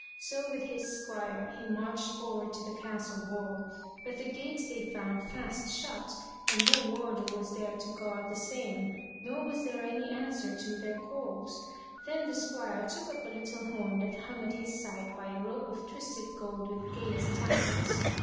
So with his squire he marched forward to the castle wall. But the gates they found fast shut and no warder there to guard the same, nor was there any answer to their calls. Then the squire took up a little horn that hung at his side by a rope of twisted gold with gayest tassels.